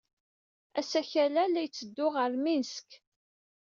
Asakal-a la yetteddu ɣer Minsk.